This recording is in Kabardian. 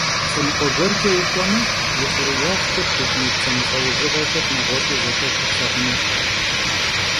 Lhenıkhue guerç'e vuk'ueme, yixhurêyağç'e prêdmêt zemılh'eujığuexer neğueş'u zexetu plhağunuş.